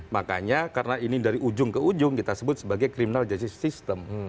makanya karena ini dari ujung ke ujung kita sebut sebagai criminal justice system